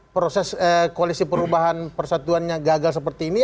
proses koalisi perubahan persatuannya gagal seperti ini